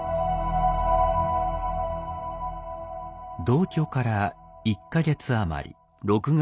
同居から１か月余り。